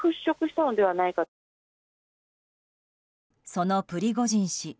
そのプリゴジン氏。